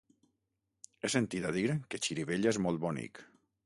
He sentit a dir que Xirivella és molt bonic.